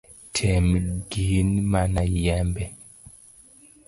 Tem gin mana yembe.